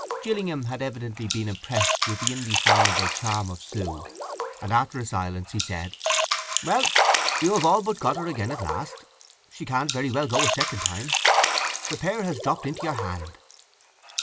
Gillingham had evidently been impressed with the indefinable charm of Sue, and after a silence he said, "Well: you've all but got her again at last. She can't very well go a second time. The pear has dropped into your hand."